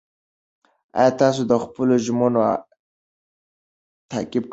ایا تاسو د خپلو ژمنو تعقیب کوئ؟